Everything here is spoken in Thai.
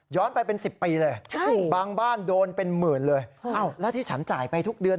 ไปเป็น๑๐ปีเลยบางบ้านโดนเป็นหมื่นเลยอ้าวแล้วที่ฉันจ่ายไปทุกเดือน